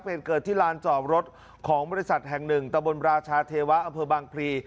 เหตุเกิดที่ลานจอดรถของบริษัทแห่งหนึ่งตะบนราชาเทวะอำเภอบางพลี